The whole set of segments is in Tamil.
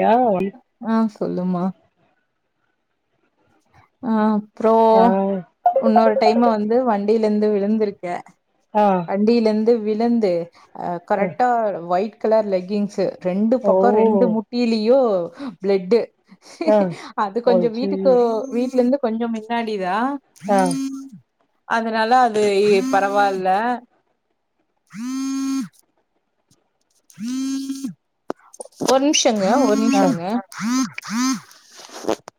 யா ஒன் ஆ சொல்லுமா ஆ அப்புறோ ஆ இன்னொரு டைம் வந்து வண் டில இருந்து விழுந்திருக்கே ஆ வண்டில இந்து விழுந்து ஆ அ கரெட்டா ஒயிட் கலர் லெக்கிங்ஸு ரெண்டு ஓ பக்கம் ரெண்டு முட்டிலியும் பிளடு ஆ அது கொஞ்சம் அய்யய்யோ வீட்டுக்கு வீட் லந்து கொஞ்சோ முன்னாடி தா ஆ அதனால அது பரவாயில்ல உஹம் [unintelligible] ஹம் [unintelligible] ஒரு நிமிஷோ ட்டங்க ஒரு ஆ நிமிஷங்க ஆம் [unintelligible]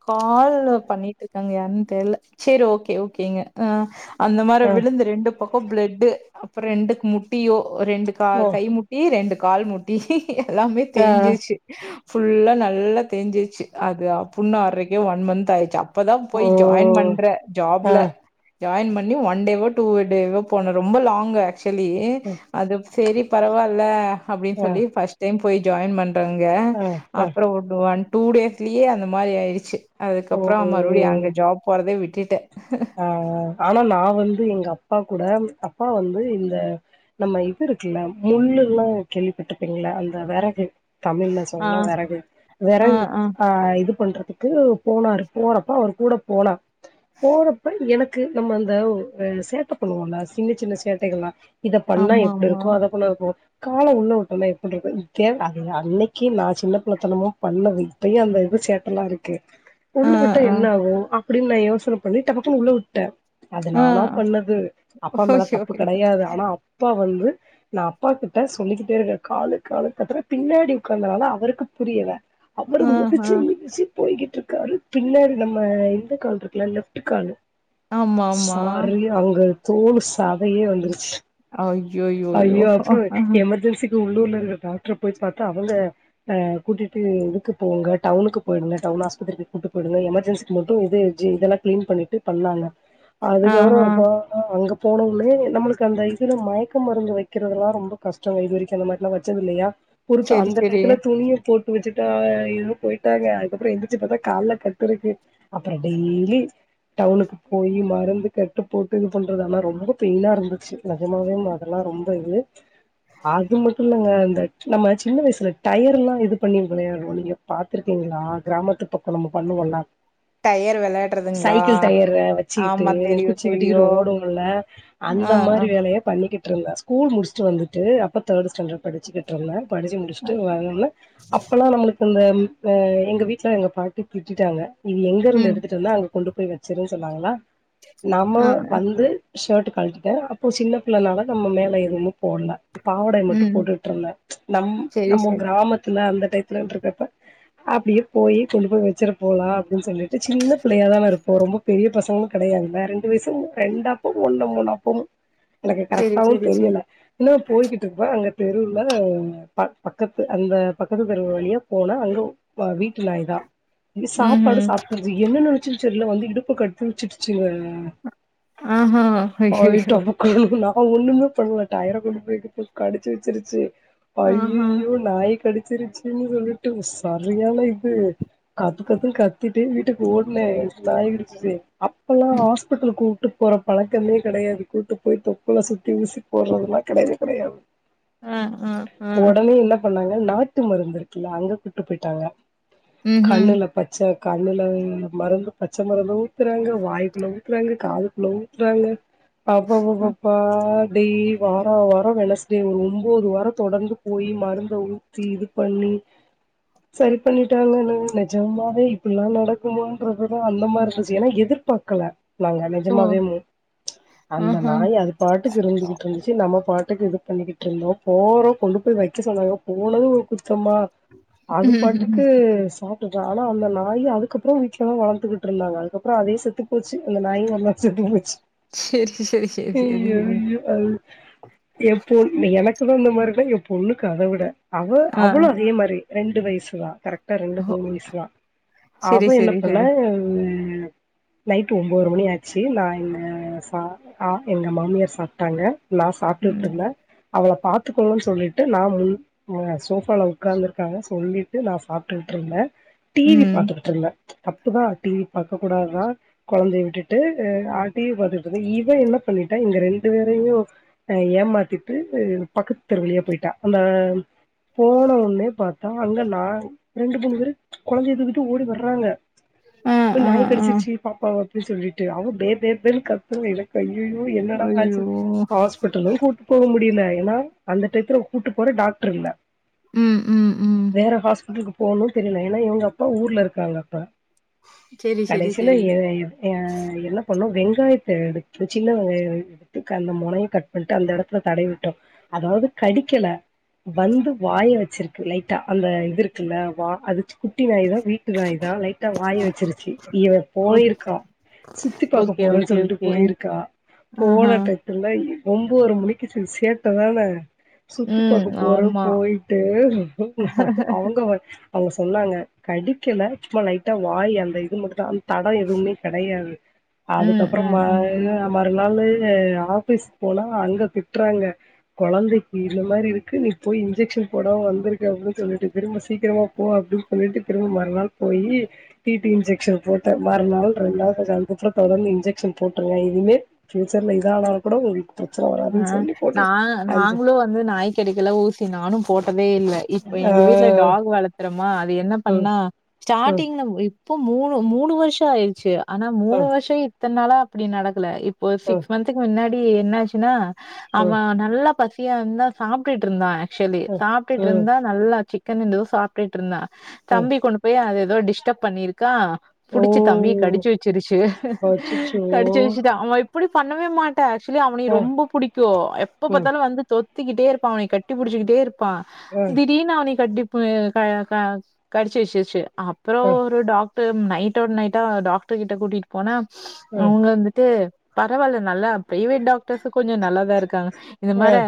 கால் பண்ணிட்டு இருக்காங்க யாருன்னு தெரியல செரி ஓகே ஓகேங்க ஆ அந்த மாரி ஆ விழுந்து ரெண்டு பக்கோ பிளட்டு அப்பற ரெண்டுக்கு முட்டியோ ரெண்டு கா ஓ கைமுட்டி ரெண்டு கால் முட்டி எல்லாமே ஆ தேஞ்சிருச்சு ஃபுல்லா நல்லா தேஞ்ச்சு அதா புண்ணு ஆறரைக்கு ஒன் மந்த் ஆய்ச்சா இப்பதா போய் ஓ ஜாயின் பண்றே ஆ ஜாப்ல ஜாயின் பண்ணி ஒன் டேவோ டூ டேவோ போன ரொம்ப லாங்கா சொல்லி அது செரி பரவாயில்ல அப்டின்னு ஆ சொல்லி ஃபஸ்ட் டைம் போய் ஜாயின் பண்ண றங்க ஆ ஆ அப்றோ ஒரு வொன் டூ டேஸ்லேயே அந்த ஒரு மாரி ஆயிடுச்சு ஓ அதுக்கப்றோ மறுபடியு அங்க ஜாப் போறதே விட்டு கேட்டு ஆ ஆனா நா வந்து எங்க அப்பா அப்பா கூட அப்பா வந்து இந்த நம்ம இது இருக்குல்ல முள்ளுல்லா கேள்விப்பட்ருப்பீங்ளா அந்த வெறகு தமிழ்ல ஆ சொன்னா வெறகு வெறகு ஆ இது பண்றதுக்கு போனாரு போனப்ப அவர் கூட போனா போற எனக்கு நம்ம அந்த சேட்ட பண்ணுவோல சின்ன சின்ன சேட்டைகள்லா இத பண்ணா ஆமா எப்டி ஆமா இருக்கு அத பண்ணா இருக்கு கால உள்ள விட்டம்னா எப்டி இருக்கு தேவ அத அன்னைக்கு நா சின்ன பிள்ளத்தனமா பண்ணது இப்பயு அந்த இது சேட்டல்லா இருக்கு ஆ முள்ளு பட்டா ஆ என்னாகு ப்பிடின் யோசன பண்ணிட் டு உள்ளவுட்டே அது ஆ நானா பண்ணது அப்பா மேல ஐயோ தப்பு ஐயோ. கெடையாது ஆனா அப்பா வந்து நா அப்பா கிட்ட சொல்லிக்கிட்டே இருக்கிறே கால் காலு கத்தரே பின்னாடி உக்காந்தனால அவுருக்கு புரியல அவரு ஆ ஆ மிதிச்சி இச்சி போயிக்கி ட்டுருக்காரு பின்னாடி நம்ம இந்த கால் இருக்குல்ல லெப்ட் காலு ஆமா ஆமா சாரி அங்க தோலு சதையே வந்துருச்சி அய்யோயோயோ இது உள்ளூர்ல்ல இருக்கிற டாக்டர போயி பாத்தா அவுங்க அ கூட்டிட்டு இதுக்கு போங்க டவுனுக்கு போயிடுங்க டவுன் ஆஸ்பத்திரிக்கு கூட்டிட்டு போயிடுங்க எமர்ஜென்சிக்கு மட்டு இது ஜி இதெல்லா கிளீன் பண்ணிட்டு பண்ணாங்க ஆ ஆ அதுக்கப்புறோப்பா அங்க போனவுனே நம்மளுக்கு அந்த இதுல மயக் க்கம் மருந்து வக்கிறதெல்லா ரொம்ப கஷ்டங்க இதுரைக்கு அந்த மாரிலா வச்சது இல்லையா ஒருட்டு செரி அந்த செரி டயத்துல துணிய போட் வச்சிட்டா இரு போயிட்டாங்க அதுக்கப்புறோ எந்திச்சி பாத்தா கால்ல கட்டு இருக்கு அப்புறோ டெய்லி டவுனுக்கு போய் மருந்து கட்டு போட்டு இது பண்றது ஆனா ரொம்ப பெயினா இருந்துச்சி நெஜமாவே மா அதெல்லா ரொம்ப இது அது மட்டு இல்லங்க அந்த நம்ம சின்ன வயசுல டயர்ல்லா இது பண்ணி விளையாடுவோ நீங்க பாத்துருக்கீங்களா கிராமத்து பக்க நம்ம பண்ணுவோல்ல டயர் வெளையாடுறதுங்களா சைக்கிள் டயர் வச்சிட்டு ஆமா தெரியு குச்சி தெரியு வெட்டிக்கிட்டு ஓடுவல்ல அந்த ஆ ஆ மாரி வேலையா பண்ணிக்கிட் ட்டிருந்து ஸ்கூல் முடிச்சிட்டு வந்துட்டு அப்ப தேர்ட் ஸாண்டர்ட் படிச்சிக்கிட்டு இருந்த படிச்சி ஆ முடிச்சிட்டு வரல்ல அப்பெல்லா நம்மளுக் இருந்தம் அ எங்க வீட்ல எங்க பாட்டி திட்டிட்டாங்க இது எங்க இருந்து ம். எடுத்துட்டு வந்த அங்க கொண்டு போய் வச்சிருன் சொன்னாங்களா நம்ம ஆ. வந்து ஷாட் கழடிட அப்போ சின்ன பிள்ள நால நம்ம மேல எதுமு போடல பாவடை மட்டு ம். போட்டுட்டு இருந்தே நம் சரி, நம்ம சரி. கிராமத்துல அந்த டைத்துலன்னு இருக்கறப்ப அப்பிடியே போய் கொண்டு போய் வச்சிரு போலா னு சொல்லிட்டு சின்ன பிள்ளையாதான இருப்போ ரொம்ப பெரிய பசங்களுக் கெடையாது இல்ல ரெண்டு வயசு ரெண்டா ப்பு ஒண்ணு மூணு அப்போ எனக்கு கரெக் சரி, ஓ சரி, சரி. தெரியல இன்னா போயிகிட்டு இருப்பா அங்க தெருல பக் பக்கத்து அந்த பக்கத்து தெருவு வழியா போன அங்க வீட்டு நாய் தா இங்க சாப்பாடு ம்ஹ்ம். சாப்படறது என்ன நெனைச்சி பியுச்சர்ல வந்து இடுப்பு கடிச்சிச்சி [unintelligible] ஆஹ ஐய்யயோ அவ ஒண்ணுமே பண்ணல டயர கொண்டு போயி போட்டு கடிச்சி வச்சிருச்சி ஆஹா! அய்யயோ நாய் கடிச் சிருச்சின்னு சொல்லிட்டு சரியான இது கத்து கத்துன் கத்திட்டு வீட்டுக்கு ஓடன நாய் கடிச்சிது அப்பவு ம். ஆஸ்பிட்டலுக்கு கூட் டுபோற பழக்கமே கெடையாது கூட்டு போயிட்டு புல சுத்தி ஊசி போடறதெல்லா கெடையவே கெடையாது. ஆ ஆ ஆ பன்னாங்க நாட்டு மருந்து இருக்குல்ல அங்க கூட்டு போயிட்டாங்க. ம்ஹ்ம். கண்ணுல பச்ச. கண்ணுல மருந்து பச்ச மருந்து ஊத்தறாங்க வாய்க்குள்ள ஊத்தறாங்க காதுக்குள்ள ஊத்தறாங்க. அ அப்பப்பப்ப. பா டெய்லி வாரவாரம் வெனஸ்டே ஒரு ஒன்போது வாரம் தொடர்ந்து போய் மருந்த ஊத்தி இது பண்ணி சரி பண்ணிட்டாங்கன்னாங்க நெஜமாவே இப்டில்லாம் நடக்குமான்றதுதான் அந்த மாரி இருந்துச்சி ஏன்னா எதிர்பாக்கல. நாங்க ஓ! நெஜமாவே மு அந்த ஆஹா! நாய் அது. உட்டுப் போயிருவேன் இந்த வீட்ல செரி நா நம்ம பாட்டுக்கு இது பண்ணிக்கிட்டு இருந்தோம் போறோம் கொண்டு போய் வைக்க சொன்னாங்க போனது ஒரு குத் தமா அது பாட்டுக்கு ம்ஹ்ஹ்ம். சாப். பட் ஆனா அந்த நாயி அதுக்கப்புறமு வீட்ல தா வளத்துகிட்டு இருந்தாங்க அதுக்கப்புறம் அதே செத்து போச்சி அந்த நாயும் ஒன்னா செத்துபோச்சி செரி. செரி செரி செரி செரி. எப்போ னு எனக்கு. புது உன்ன மாரி இருக்கா இங்க பொண்ணுக்கு அத விட. அவ ஆ. அவ்ளு அதே மாரி. ரெண்டு வயசு தா கரெக்ட். டா ரெண்டு ஓ! மூணு வயசுதா அவ சரி, என்ன சரி, பண்ணா. சரி. நைட்டு ஒம்போதர மணி ஆச்சி நா என்ன சா ஆ. எங்க மாமியார் சாப்ட்டாங்க. நா சாப்டுட்டு ம், இருந்தே. அவள பாத்துக்கோங்கணு சொல்லிட்டு நா முன் சோஃபாவல உட்காந்துருக்காங்க சொல்லிட்டு நா சாப்புடுட்ருந்தே. டிவி ம். பாத்துக்கிட்டிருந்தா. தப்புதா டிவி பாக்க கூடாதுதா கொழந்தைய விட்டுட்டு் அ டிவி பாத்துட்ருந்தே இவ என்ன. பண்ணிட்டா எங்க ரெண்டு பேரையு அ ஏமாத்திட்டு பக்கத்து தெருவழியா போயிட்டா அந்த. போன ஒன்னே பாத். த்தா அங்க நா இரண்டு மூனு பேரு கொழந்தய தூக்கிட். ட்டு ஓடி வர்றாங்க. ஆ, ப்பு ஆ, நாய் ஆ. கடிச்சிரிச்சி பாப்பாவ. ப் சொல்லிட்டு அவ பே பே பேனு கத்துரா எனக்கு கை அய்அய்யோ என்னடா ஆச்சி ஐயோ! ஹாஸ்பிட்டலு கூட்டுபோ முடியல. ஏன்னா அந்த டயத்துல கூட்டு போற டாக்டர் இல்ல ம் ம் ம் போனு தெரியல ஏன்னா இவுங்க அப்பா ஊர்ல இருக்காங்க அப்ப சரி, சரி, கடைசியில சரி. எ எ எல்லா போனு வெங்காயத்த எடுத் ட்ரு சின்ன வெங்காயோ எடுத்து கண்ண மொனை கட் பண்ணிட்டு அந்த எடத்துல தடவி விட்டோ அதாவது கடிக்கல வந்து வாய வச்சிருக்கு லைட்டா அந்த இது இருக்குல்ல வா அது குட்டி நாய்தா வீட்டு நாய்தா லைட்டா வாயி வச்சிருச்சி இவ ஓகே, போயிருக்கா சுத்தி பாக்க ஓகே, போறேன் ஓகே, சொல்லிட்டு ஓகே. போயிருக் க்கா ஆஹா! போன டயத்துல்ல ஒம்போற மணிக்கு செ சேட்டதான ம். சுத்திப்பாக்க போறன் ஆமா. போயிட்டு அவுங்க அவுங்க சொன்னாங்க கடிக்கல சும்மா லைட்டா வாய் அந்த இது மட்டு தா தடோ எதுவுமே கெடையாது ம், அதுக்கப்புறோ ம ம், ம். மறுநாளு ஆபீஸ் போனா அங்க திட்டுறாங்க கொழந்தைக்கு இந்த மாரி இருக்கு நீ போய் இன்ஜெக்ஷன் போடம வந்திருக்க அப்பிடின் சொல்லிட்டு திரும்ப சீக்கிரமா போ அப்பிடின் சொல்லிட்டு திரும்ப மறுநாள் போய் டிடி இன்ஜெக்சன் போட்டே மறுநாள் ரெண்டு நாள் அதுகப்ரோ தொடர்ந்து இன்ஜெக்ஷன் போட் ட்டரே இனிமே ஃபியூச்சர்ல இதா ஆனா கூட உங் வீட் ஆ நா நாங்களு வந்து நாய்கடிக்கெல்லா ஊசி நானு வே இல்ல இப்ப ஆ எங்க வீட்ல டாக் வளத்தற மா அது என்ன ம் பண்ணா ம் ஸ்டார்டிங்ல இப் இப்போ மூணு மூணு வருஷோ ஆயிரிச்சி ஆனா மூணு ம் வருஷோ ஆயி இத்தன் நாளா இப்டி நடக்கல இப் போ ம் சிக்ஸ் மந்த்க்கு முன்னாடி டி என்னாச் சினா ம் அவன் நல்லா பசியா இருந்தா சாப்ட்டுட்டு இருந்தா ஆக் சுவலி ம் சாப்ட்டுட்டு ம் இருந்தா நல்லா சிக் கன் எதோ சாப்ட்டுட்டு இருந்தா ம் தம்பி கொண்டு போய் அது எதோ டிஸ்டர்ப் பண்ணியிருக்கான் ஓ புடிச்சி தம்பிய கடிச்சி வச்சிருச்சி அச்சச்சோ கடிச்சி வச்சிட்டு அவன் அப்டி பண்ணவே மாட்ட ஆக்சுவலி உன்னைய ஆ ரொம்ப புடிக்கும் எப்ப ம் பாத்தாலு வந்து தொத் திக்கிட்டே இருப்பா அவனய கட்டி புடிச்சிக்கிட்டே இருப் பா ஆ திடீர்னு அவன கட்டி பூனை க க கடிச்சி வச்சிருச்சி அப்புறம் ஆ ஒரு டாக் டர் நைட்டோட நைட்டா டாக்டர்கிட்ட கூட்டிட்டு போன ஆ அவுங்க வந்துட்டு பரவாயில்ல நல்லா பிரைவேட் டாக் டர்ஸ் கொஞ்சோ நல்லாதா இருக்காங்க இந்த ஆ மாரி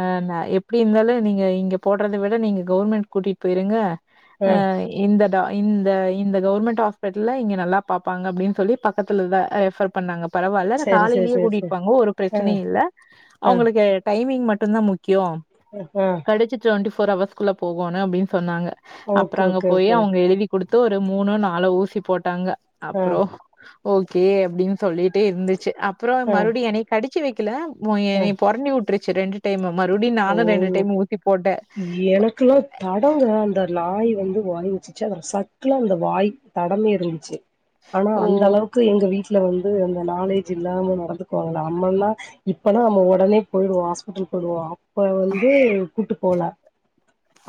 ஆ எப்டி இருந்தாலும் நீங்க இங்க போடுறத விட நீங்க கவுர்மெண்ட் கூட்டிட்டு போயிருங்க ஆ இந்த டா இந்த இந்த கவுர்மெண்ட் ஹாஸ்பிட்டல இங்க நல்லா பாப்பாங்க அப்டின் சொல்லி பக்கத்துல தா ரெஃபர் பண்ணாங்க பரவாயில்ல ஆனா சரி சரி காலையிலே சரி கூட்டிட்டு சரி போங்க ஒரு ஆ பிரச்சனை இல்ல ஆ அவங்களுக்கு எட்டா டைமிங் மட்டுந்தா முக் கியோம் ஆ ஆ கடைச்சி டொண்ட்டி ஃபோர் ஹவர்ஸ்குள்ள போகனும் அப்டின் சொன்னாங்க அப்றோ ஓகே அங்க ஓகே போய் ஓகே அவங்க எழுதிக் குடுத்து ஒரு மூணுனோ நாலோ ஊசி போட்டாங்க ஆ அப்றோ ஓகே அப்டின்னு சொல்லிட்டு இருந்து அப்றோ ஆ மறுபடியும் என்னைக் வச்சு வைக்கல மு எ ஆ பொறணி வுட் ச்சி ரெண்டு டைமு ஓ எனக்கெல்லாம் தடங்க அந்த நாய் வந்து வாய் வச்சுச்சு அ சர்க்குல அந்த வாய் தடமே இருந்துச்சு ஆனா ஓ! அந்த அளவுக்கு எங்க வீட் ல வந்து அந்த நாலேஜ் இல்லாம நடந்துத்துக்குவாங்க நம்மலாம் இப்பனா நம்ம உடனே போயிடுவோம் ஹாஸ்பிடல் போயிடுவோம் இப்ப வந்து கூட்டு போல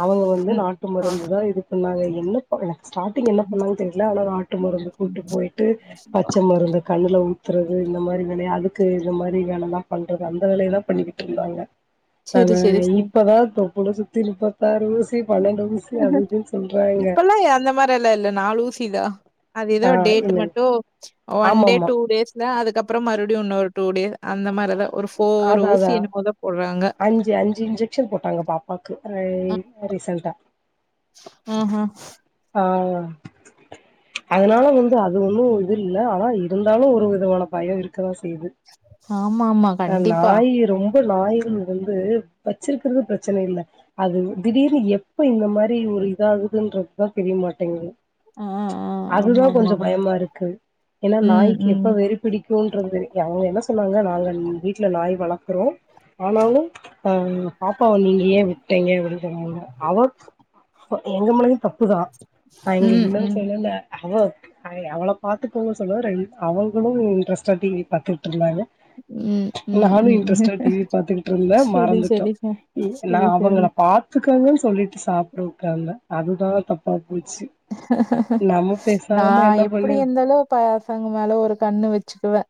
அவங்க வந்து ம். நாட்டு ஆ. மருந்து தா இது பண்ணாங்க என்ன கொறையும் ஸ்டார்டிங் என்ன பண்ணுனாங்க தெரில ஆனா ட்டு மருந்து கூப்பிட்டு போயிட்டு பச்ச மருந்து கண்ணுல அதுக்கு இந்த மாரி வேலைலாம் பண்றது அந்த வேலைய தான் பண்ணிட்டு இருந்தாங்க சரி, அவ சரி, சரி. இப்பதா தூக் உங்கள சுத்தி நிப்பா பாரு ஊசி பன்னெண்டு ஊசி அது இதுன்னு சொல்றாங்க இப்பல்லா அந்த மாரி எல்லா இல்ல நாலு ஊசி தா அது ஏதோ ஆ டேட் இல்ல மட்டும் ஒன் ஆமா டே ஆமா டூ டேஸ்ல அதுக்கப்றோ மறுபடியும் இன்னொரு டூ டே அந்த மாரிதா ஒரு ஃபோர் அதா ஊசி அதா என்னமோ தா போடுறா அஞ்சு அஞ்சு இன்ஜெக்ஷன் போட்டாங்க பாப்பாக்கு அ ரீசண்டா ஆஹா ஆ அதனால வந்து அது ஒன்றும் இது இல்ல ஆனா இருந்தாலும் ஒரு விதமான பயம் இருக்க தா செய்யுது [unintelligible] கண்டிப்பா. நாய் ரொம்ப நாய்கள் வந்து வச்சிருக்கிறது பிரச்சனை இல்ல அது திடீர்னு எப்ப இந்த மாரி ஒரு இது ஆகுதுனு தா தெரிய மாட்டேங்குது ஆ ஆ அதுதா கொஞ்சோ ஆமாமாமா. பயமா இருக்கு ஏன்னா ம், நாய்க்கு ம். எப்ப வெறி பிடிக் துன்றது வரைக்கு அவங்க என்ன சொன்னாங்க நாங்க ம் வீட்ல நாய் வளக்குறோ ஆனாலு ஆ பாப்பாவ நீங்க ஏன் விட்டைங்க அப்பிடின் சொன்னாங்க அவ எங்க மேலயு தப்புதா நா இங்க ம், இல்லன்னு ம். சொல்லல ஐய் அவளோ பாத்துக்கோங்க சொல்ல ரெ அவங்களு இன்ட்ரெஸ்டா டிவி பாத்துட்டு இருந்தாங்க ம், ம், நானு ம். இன்ட்ரெஸ்டா டிவி பாத்துக்கிட்டு இருந்தே சரி, மறந்துட்டோ சரிங்க. நா சரி, சரி. அவங்கள பாத்துக்கங்கன்னு சொல்லிட்டு சாப்பிட உக்காந்தே அதுதா தப் நா பேசாம என்ன எப்பிடி பண்ணு இருந்தாலு பசங்க மேல ஒரு கண்ணு வச்சுக்குவே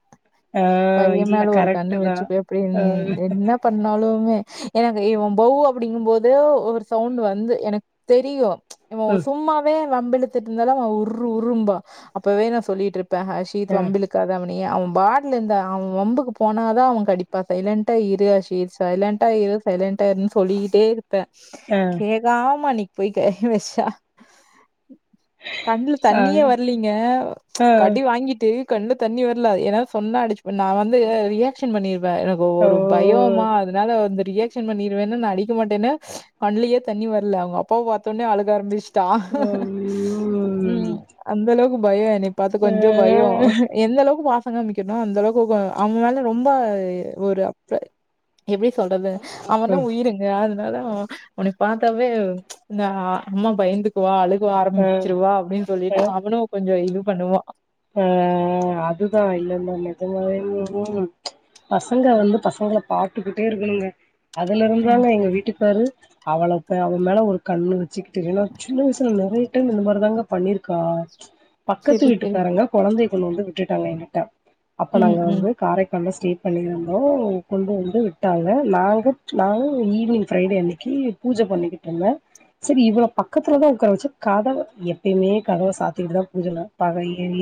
ஆ பைய இல்ல மேல ஒரு கரெக்ட்டு கண்ணு தா வச்சுப்பே எப்பிடின் ஆ என்ன பண்ணாலுமே எனக்கு இவ பவு அப்பிடிங்கு போது ஒரு சவுண்ட் வந்து எனக்கு தெரியு இவ ம் உஸ் வே வம்பு இழுத்துட்டு இருந்தாலு அவ உர் உர்ரும்பா அப்பவே நா சொல்லிட்டு இருப் ப்பஹ சீத் ஆ வம்புக்காத அவ மே அவ பாட்ல இந்தா அவ வம்புக்கு போனாதா அவ கடிப்பா சைலண்டா இரு ஹசீத் சைலண்டா இரு சைலண்டா இருன்னு சொல்லிக்கிட்டே இரு ப்ப ஆ கேட்காம அன்னிக் போய் கையவச்சா கண்ல ஆ தண்ணியே வர்லீங்க ஆ கடி வாங்கிட்டு கண்ல தண்ணி வர்ல எனா சொன்னா அடிச்ச நா வந்து ரியாக்க்ஷன் பண்ணி வே எனக்கு ஓ ஒரு பயோமா அதனால வந்து ரியாக்ஷன் பண்ணிருவேன்னு நா அடிக்க மாட்டேன்னு கண்லியே தண்ணி வரல அவ அப்பாவ பாத்தோன்னே அழுக ஆரம்பிச் தா ம் அந்தளவு க்கு பாய்யோ என்னை பாத்து கொஞ்சோ பயோ ம் எந்த அளவுக்கு பா கமிக்கனோ அந்த அளவுக்குகோ அவ மேல ரொம்ப ஒரு அப்ற எப்பிடி சொல்றது ஆ அவனா உயிருங்க ந்தாலு உன்னை பாத்தாலே இந்த அம்மா பயந்து குவா அழு கு ஆ ஆரம்பிச்சிருவா அப்பிடின் சொல்லிட்டு அவுனு கொஞ்சோ இது பண்ணுவா அ அதுதா இல்ல இல்லல நெஜமாவே ம் ம் பசங்க வந்து பசங்கள பாட்டுக்கிட்டே இருக்கணுங்க அதுல ஆ இருந்தாங்க எங்க வீட்டுக்காரு அவளப்ப அவள் மேல ஒரு கண்ணு வச்சுக்கிட்ட இரு ஏன்னா சின்ன வயசுல நெறைய டைம் இந்த மாரிதாங்க பண்ணிருக்கா பக்கத்து செரி வீட்டுக்கு செரி பாருங்க கொழந்தை கொண்டு வந்து விட்டுட்டாங்க என்கிட்ட அப்ப ம் நாங்க ம் வந்து காரைக் ஸ்டே பண்ணிருந்தோம் கொண்டு வந்து விட்டாங்க நாங்க நா ஈவினிங் ஃப்ரைடே அன்னைக்கு பூஜை பண்ணிக்கிட்டு இருந்தன் செரி இவள பக்கத்துலதா உக்கார வச்ச கதவை எப்பயுமே கதவை சாத்திட்டு தா பூஜை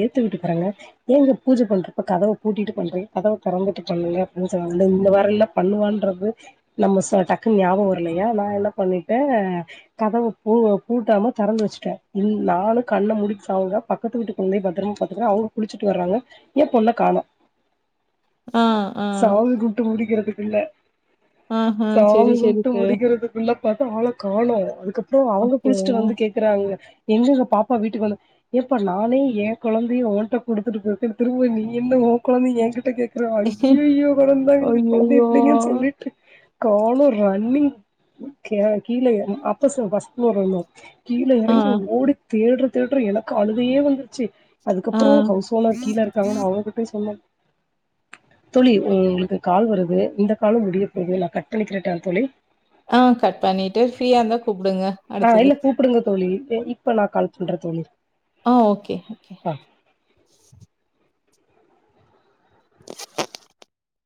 ஏத்தவிட்டுக்கரங்க எங்க பூஜை பண்றப்ப கதவை பூட்டிட்டு பண்றிங்க கதவை திறந்து பண்ணுங்க அப்டி சொன்னாங்க இந்த வாரல்ல பண்ணுவான்து நம்ம டக்கு ஞாபம் வரலையா நா என்ன பண்ணிட்டேன் கதவை பூட்டாம திறந்து வச்சட்டே நானும் கண்ண முடிடிவச்சிட்டு அவங்க பக்கத்து வீட்டு கொழந்தை பத்திரமா பாத்துக்கன்னு அவங்க குளிச்சுட்டு வர்றாங்க ஏன் பொண்ண காணோம் ஆ ஆ சாமி கும்மிட்டு முடிக்கிறதுக்கு இல்ல ஆஹா சாமி செரி செரி கும்மிட்டு சார் முடிக்கிறதுக்குள்ள பாத்தா அவளை காணும் அதுக்கப்றோ அவங்க ஓகே குளிச்சுட்டு வந்து கேக்குறாங்க எங்கங்க பாப்பா வீட்டுக்கு வந்த எப்ப நானே என் குழந்தையை ஓன்ட குடுத்துட்டு திரும்ப நீ என்ன ஒ கொழந்தைய என்ட கே ஐயோ ஐயோ கொழந்தை எங்க கொழந்தைய ஐயையோ பிடிங்கன்னு சொல்லிட்டேன் காலும் ரன்னிங் கீழே அப்ப ஃபர்ஸ்ட் ஃப்ளோர் இருந்தும் கீழ ஆ இறங்கி ஓடு தேடுரேன் தேடுரேன் எனக்கு அழுகையே வந்து சி ஆ அதுக்கப்றோ ஹவுஸ் ஓனர் கீழே இருக்காங்கன்னு அவங்ககிட்டவும் சொன்னேன் தோழி உங்களுக்கு கால் வருது இந்த காலும் முடிய போகுது நா கட் பண்ணிக்கிறேட்ட தோழி ஆ கட் பண்ணிட்டு ஃப்ரீயா இருந்த ஆ இல்ல கூப்புடுங்க தோழி இப்ப நா கால் பண்றேன் தோழி ஆ ஓகே ஓகே ஆ